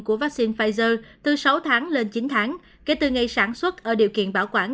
của vaccine pfizer từ sáu tháng lên chín tháng kể từ ngày sản xuất ở điều kiện bảo quản